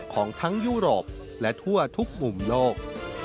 ของทั้งยุโรปและทั่วทุกมุมโลก